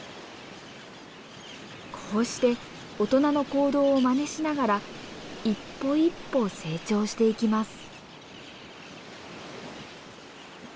こうして大人の行動をまねしながら一歩一歩成長していきます。